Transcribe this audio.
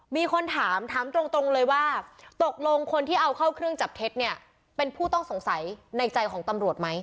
มีคนถามถามตรงเลยว่าตกลงคนที่เอาเข้าเครื่องจับเท็จเนี่ยเป็นผู้ต้องสงสัยในใจของตำรวจไหม